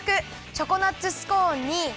チョコナッツスコーンにきまり！